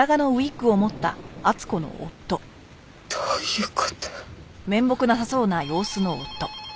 どういう事？